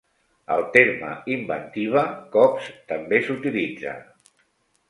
El terme "inventiva" cops també s'utilitza.